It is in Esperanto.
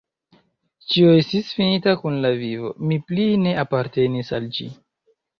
Ĉio estis finita kun la vivo: mi pli ne apartenis al ĝi.